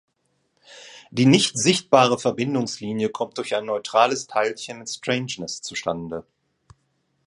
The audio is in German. Die nicht sichtbare Verbindungslinie kommt durch ein neutrales Teilchen mit Strangeness zustande.